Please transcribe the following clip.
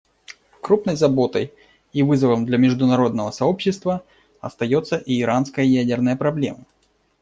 Крупной заботой и вызовом для международного сообщества остается и иранская ядерная проблема.